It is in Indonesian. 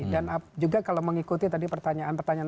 dan juga kalau mengikuti tadi pertanyaan pertanyaan